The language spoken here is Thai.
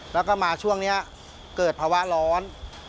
แล้วก็มาช่วงนี้เกิดภาวะร้อน